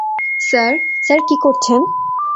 Sir, sir কী করছেন?